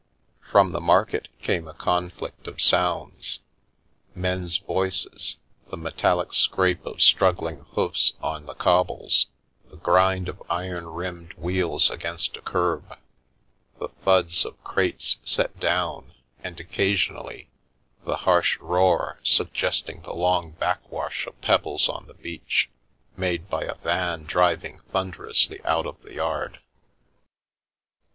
From the market came a conflict of sounds — men's voices, the me tallic scrape of struggling hoofs on the cobbles, the grind of iron rimmed wheels against a kerb, the thuds of crates set down, and occasionally, the harsh roar, suggesting the long back wash of pebbles on the beach, made by a van driving thunderously out of the yard.